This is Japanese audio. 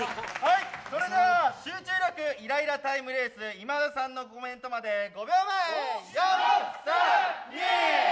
それでは「集中力イライラタイムレース」、今田さんのコメントまで５、４、３、２。